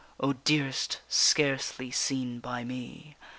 _ _O dearest, scarcely seen by me!